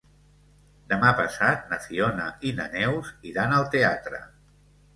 Demà passat na Fiona i na Neus iran al teatre.